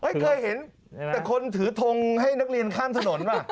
เคยเห็นแต่คนถือทงให้นักเรียนข้ามถนนป่ะ